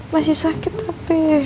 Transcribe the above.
masih sakit tapi